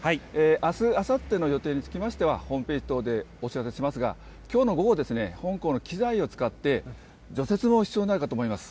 あす、あさっての予定につきましては、ホームページ等でお知らせしますが、きょうの午後、本校の機材を使って除雪も必要になるかと思います。